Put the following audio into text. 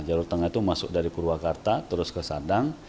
jalur tengah itu masuk dari purwakarta terus ke sadang